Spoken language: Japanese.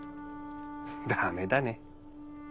ダメだね。